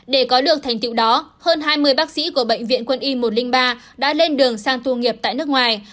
để có được thành tiệu đó hơn hai mươi bác sĩ của bệnh viện quân y một trăm linh ba đã lên đường sang tu nghiệp tại nước ngoài